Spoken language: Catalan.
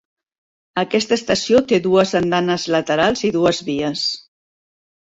Aquesta estació té dues andanes laterals i dues vies.